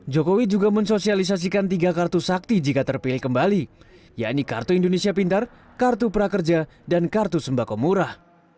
jokowi juga mensosialisasikan tiga kartu sakti jika terpilih kembali yaitu kartu indonesia pintar kartu prakerja dan kartu sembako murah